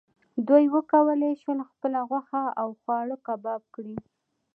دوی وکولی شول خپله غوښه او خواړه کباب کړي.